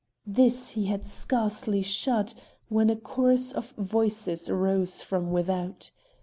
This he had scarcely shut when a chorus of voices rose from without.